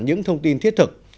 những thông tin thiết thực